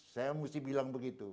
saya mesti bilang begitu